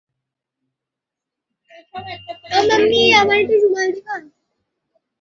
বেচারা আর কতক্ষণই বা আমার অপেক্ষায় থাকবে!